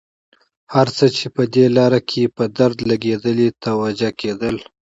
هر څه چې په دې لاره کې په درد لګېدل توجه کېدله.